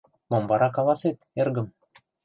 Мом вара каласет, эргым?